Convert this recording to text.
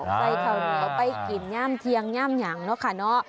ใส่เขาเหนียวไปกินแย่มเทียงแย่มหยังเนอะค่ะเนอะ